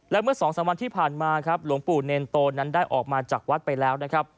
และเมื่อสองสามวันที่ผ่านมาครับหลวงปู่เนรโตนั้นได้ออกมาจากวัดไปแล้วนะครับ